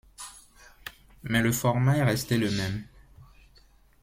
Mais le format est resté le même.